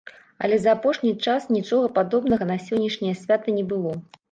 Але за апошні час нічога падобнага на сённяшняе свята не было.